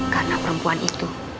karena perempuan itu